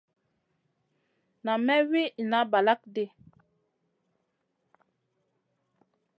Nam may wi inna balakŋ ɗi.